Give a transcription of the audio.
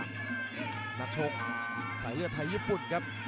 นักชกสายเลือดไทยญี่ปุ่นครับ